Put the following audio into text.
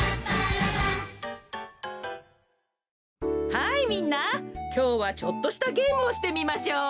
はいみんなきょうはちょっとしたゲームをしてみましょう。